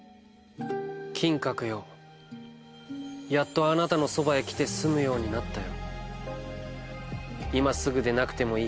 「金閣よやっとあなたのそばへ来て住むようになったよ」。